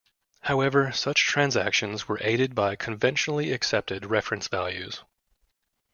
However, such transactions were aided by conventionally accepted reference values.